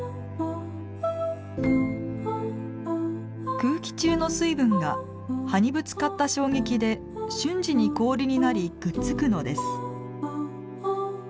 空気中の水分が葉にぶつかった衝撃で瞬時に氷になりくっつくのです。